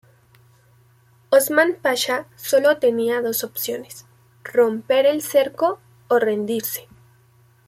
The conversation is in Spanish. Osman Pasha solo tenía dos opciones, romper el cerco o rendirse.